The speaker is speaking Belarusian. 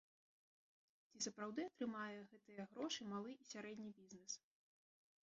Ці сапраўды атрымае гэтыя грошы малы і сярэдні бізнэс?